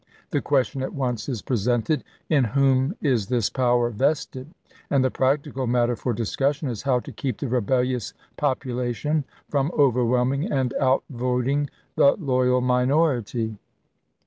The question at once is presented, In whom is this power vested f and the practical matter for discussion is how to j. h., keep the rebellious population from overwhelming nov.^ism. and outvoting the loyal minority."